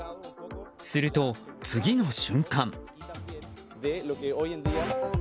すると、次の瞬間。